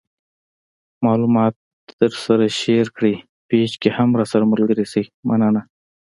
معلومات د درسره شیر کړئ پیج کې هم راسره ملګري شئ مننه